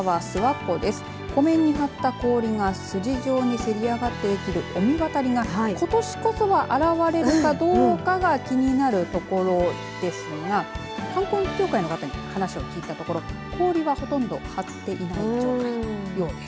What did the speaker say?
湖面に張った氷が筋状にせり上がってできる御神渡りが、ことしこそは現れるかどうかが気になるところですが観光協会の方に話を聞いたところ氷は、ほとんど張っていないようです。